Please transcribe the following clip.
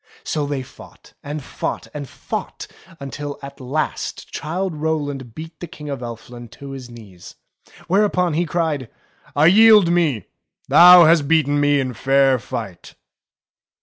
So they fought, and fought, and fought, until at last Childe Rowland beat the King of Elfland to his knees. Whereupon he cried, I yield me. Thou hast beaten me in fair fight."